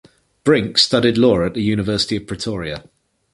Brink studied law at the University of Pretoria.